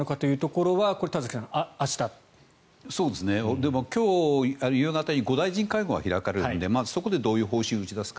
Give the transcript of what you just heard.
でも、今日夕方に５大臣会合が開かれるのでまず、そこでどういう方針を打ち出すか。